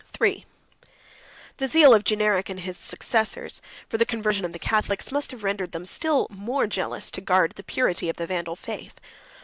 98 III. The zeal of Genseric and his successors, for the conversion of the Catholics, must have rendered them still more jealous to guard the purity of the Vandal faith.